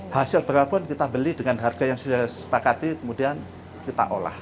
hasil berapapun kita beli dengan harga yang sudah disepakati kemudian kita olah